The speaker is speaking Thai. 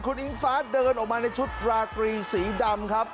คุณอิงฟ้าเดินออกมาในชุดราตรีสีดำครับ